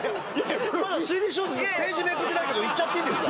まだ推理小説のページめくってないけど言っちゃっていいんですか？